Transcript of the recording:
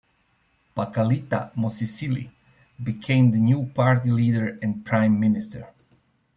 Pakalitha Mosisili became the new party leader and prime minister.